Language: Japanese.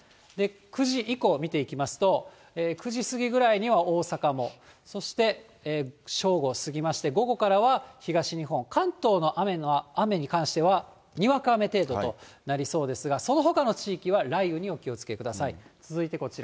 ９時以降を見ていきますと、９時過ぎぐらいには大阪も、そして正午過ぎまして、午後からは東日本、関東の雨に関しては、にわか雨程度となりそうですが、そのほかの地域は雷雨にお気をつけください。